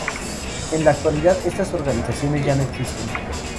En la actualidad estas organizaciones ya no existen.